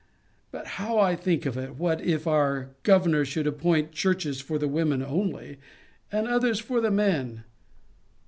But, how I think of it, what if our governor should appoint churches for the women only, and others for the men?